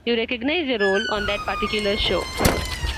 You recognize your role on that particular show.